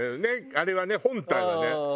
あれはね本体はね。